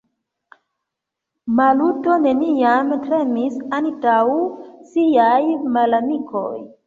Maluto neniam tremis antaŭ siaj malamikoj.